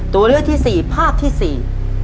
ตัวเลือกที่สี่ภาพที่สี่